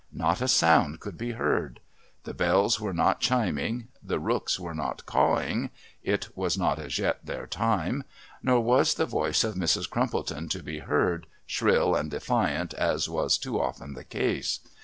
Not a sound could be heard. The bells were not chiming, the rooks were not cawing (it was not as yet their time) nor was the voice of Mrs. Crumpleton to be heard, shrill and defiant, as was too often the case.